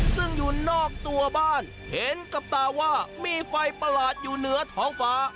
ซึ่งอยู่นอกตัวบ้านเห็นกับตาว่ามีไฟประหลาดอยู่เหนือท้องฟ้า